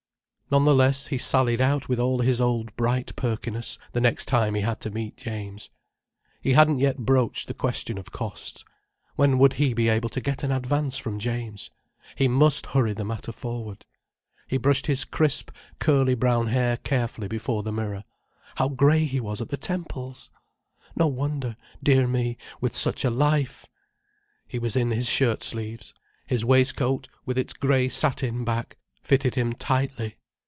None the less he sallied out with all his old bright perkiness, the next time he had to meet James. He hadn't yet broached the question of costs. When would he be able to get an advance from James? He must hurry the matter forward. He brushed his crisp, curly brown hair carefully before the mirror. How grey he was at the temples! No wonder, dear me, with such a life! He was in his shirt sleeves. His waistcoat, with its grey satin back, fitted him tightly.